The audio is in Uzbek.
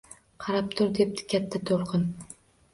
– Qarab tur, – debdi Katta to‘lqin